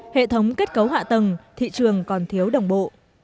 hệ thống kết cấu hạ tầng thị trường còn thiếu đồng bộ